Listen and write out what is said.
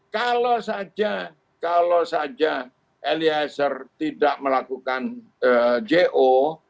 kalau saja eliezer tidak melakukan j o